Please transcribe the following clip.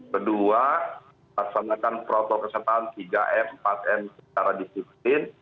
kedua laksanakan protokol kesehatan tiga m empat m secara disiplin